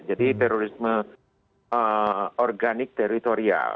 jadi terorisme organik teritorial